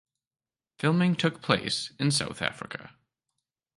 Filming took place in South Africa.